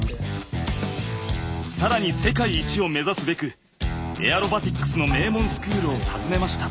更に世界一を目指すべくエアロバティックスの名門スクールを訪ねました。